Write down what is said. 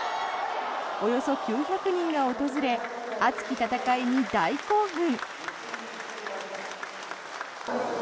およそ９００人が訪れ熱き闘いに大興奮。